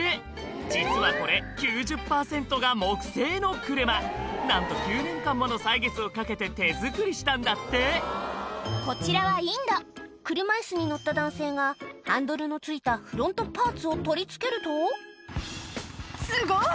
実はこれの車なんと９年間もの歳月をかけて手作りしたんだってこちらはインド車いすに乗った男性がハンドルの付いたフロントパーツを取り付けるとすごい！